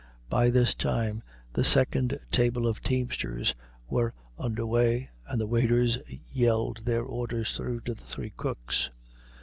By this time the second table of teamsters were under way, and the waiters yelled their orders through to the three cooks.